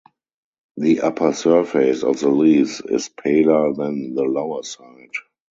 The upper surface of the leaves is paler than the lower side.